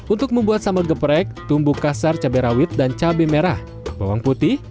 untuk membuat sambal geprek tumbuk kasar cabai rawit dan cabai merah bawang putih